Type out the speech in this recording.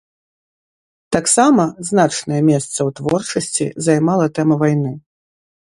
Таксама значнае месца ў творчасці займала тэма вайны.